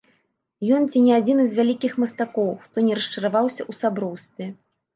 Ён ці не адзіны з вялікіх мастакоў, хто не расчараваўся ў сяброўстве.